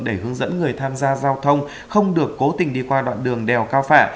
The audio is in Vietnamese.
để hướng dẫn người tham gia giao thông không được cố tình đi qua đoạn đường đèo cao phạ